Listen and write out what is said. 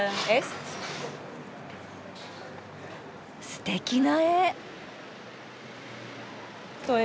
すてきな絵。